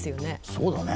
そうだね。